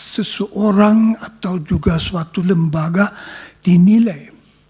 seseorang atau juga suatu lembaga dinilai